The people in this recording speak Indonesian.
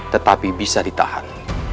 tetapi bisa ditahan